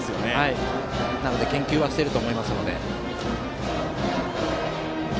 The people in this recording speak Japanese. なので研究はしていると思います。